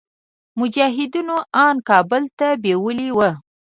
مجاهدينو ان کابل ته بيولي وو.